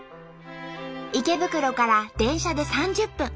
池袋から電車で３０分。